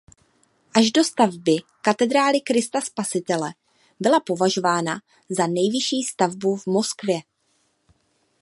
Až do stavby Katedrály Krista Spasitele byla považována za nejvyšší stavbu v Moskvě.